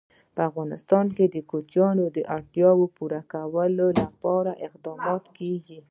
په افغانستان کې د کوچیان د اړتیاوو پوره کولو لپاره اقدامات کېږي.